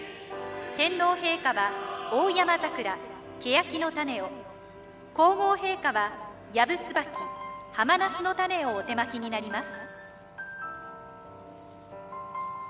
天皇陛下はオオヤマザクラケヤキの種を皇后陛下はヤブツバキハマナスの種をお手播きになります。